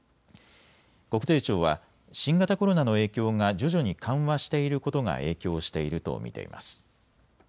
国税庁は新型コロナの影響が徐々に緩和していることが影響していると見ています。